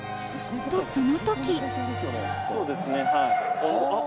［とそのとき］